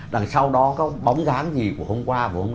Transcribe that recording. đằng sau đó có bóng dáng gì của hôm qua